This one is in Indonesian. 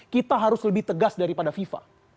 kita harus lebih tegas daripada fifa